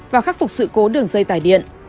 và khắc phục sự cố đường dây tải điện